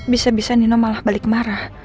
bisa bisa nino malah balik marah